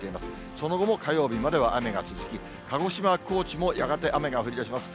その後も火曜日までは雨が続き、鹿児島、高知もやがて雨が降りだします。